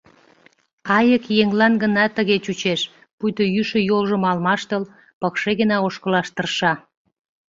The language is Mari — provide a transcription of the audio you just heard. Айык еҥлан гына тыге чучеш, пуйто йӱшӧ йолжым алмаштыл, пыкше гына ошкылаш тырша.